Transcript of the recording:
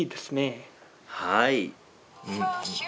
はい。